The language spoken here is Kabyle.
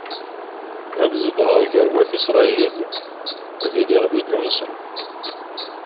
Ad zedɣeɣ gar wat Isṛayil, ad iliɣ d Illunsen.